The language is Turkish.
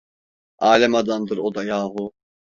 Alem adamdır o da yahu!